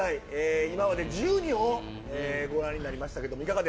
今まで１２本ご覧になりましたけど